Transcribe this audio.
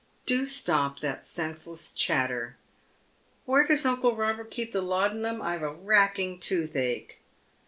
" Do stop that senseless chatter. Where does uncle Robert keep the laudanum ? I've a racking toothache."